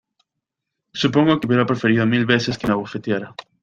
supongo que hubiera preferido mil veces que me abofeteara